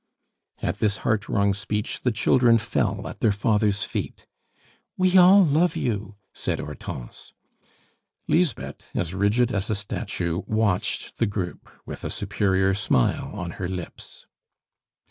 At this heart wrung speech the children fell at their father's feet. "We all love you," said Hortense. Lisbeth, as rigid as a statue, watched the group with a superior smile on her lips.